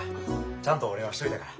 ちゃんとお礼はしといたから。